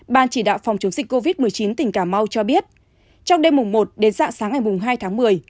ban chỉ đạo phòng chống dịch covid một mươi chín tỉnh cà mau cho biết trong đêm một đến dạng sáng ngày hai tháng một mươi